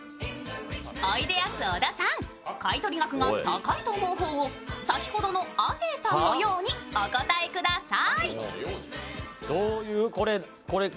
おいでやす小田さん、買取額が高いと思う方を先ほどの亜生さんのようにお答えください。